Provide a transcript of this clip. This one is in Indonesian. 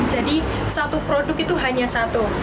jadi satu produk itu hanya satu